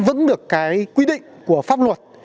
vẫn được cái quy định của pháp luật